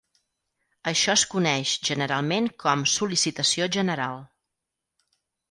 Això és coneix generalment com "sol·licitació general".